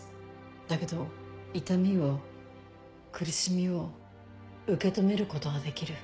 だけど痛みを苦しみを受け止めることはできる。